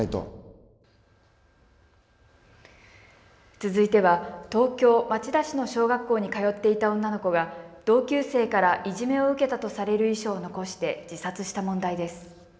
続いては東京町田市の小学校に通っていた女の子が同級生からいじめを受けたとされる遺書を残して自殺した問題です。